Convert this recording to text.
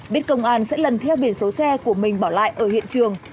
biết công an sẽ lần theo biển số xe của mình bỏ lại ở hiện trường